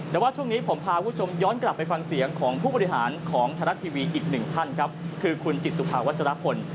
แต่ว่าช่วงนี้ผมพาคุณผู้ชมย้อนกลับไปฟังเสียงของผู้บริหารของไทยรัฐทีวีอีกหนึ่งท่านครับคือคุณจิตสุภาวัชรพล